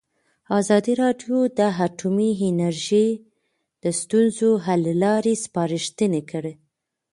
ازادي راډیو د اټومي انرژي د ستونزو حل لارې سپارښتنې کړي.